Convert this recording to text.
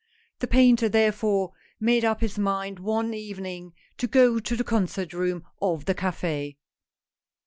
The painter therefore made up his mind one evening to go to the concert room of the Caf4.